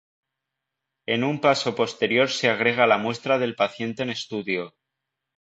En un paso posterior se agrega la muestra del paciente en estudio.